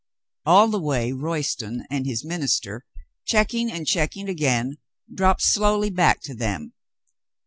All the way Royston and his minister, checking and checking again, dropped slowly back to them.